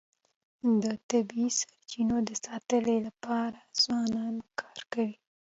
د طبیعي سرچینو د ساتنې لپاره ځوانان کار کوي.